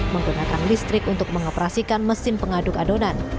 menggunakan listrik untuk mengoperasikan mesin pengaduk adonan